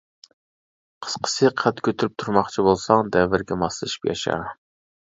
قىسقىسى، قەد كۆتۈرۈپ تۇرماقچى بولساڭ دەۋرگە ماسلىشىپ ياشا.